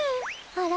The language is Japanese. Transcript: あら？